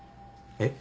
えっ。